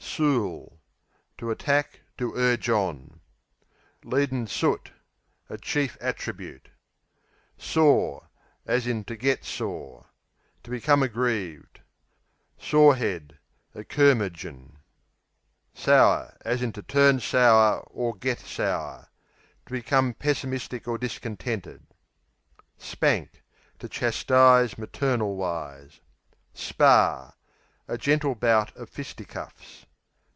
Sool To attack; to urge on. Soot, leadin' A chief attribute. Sore, to get To become aggrieved. Sore head A curmudgeon. Sour, to turn, or get To become pessimistic or discontented. Spank To chastise maternal wise. Spar A gentle bout of fisticuffs.